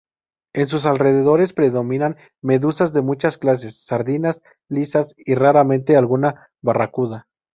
En sus alrededores predominan medusas de muchas clases, sardinas, lisas y raramente alguna barracuda.